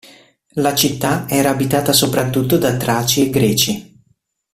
La città era abitata soprattutto da traci e greci.